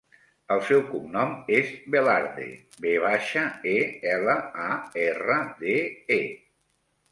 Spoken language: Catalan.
El seu cognom és Velarde: ve baixa, e, ela, a, erra, de, e.